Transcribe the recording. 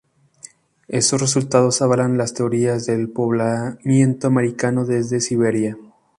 Estos resultados avalan las teorías del poblamiento americano desde Siberia.